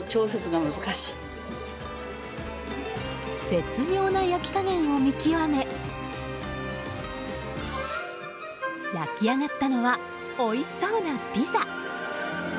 絶妙な焼き加減を見極め焼き上がったのはおいしそうなピザ。